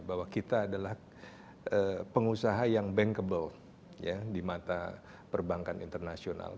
bahwa kita adalah pengusaha yang bankable di mata perbankan internasional